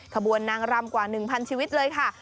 ขบวนนางรำกว่า๑๐๐ชีวิตเลยค่ะ